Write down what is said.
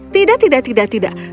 tidak tidak tidak tidak